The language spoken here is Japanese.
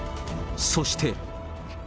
そして。